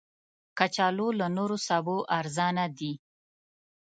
کچالو له نورو سبو ارزانه دي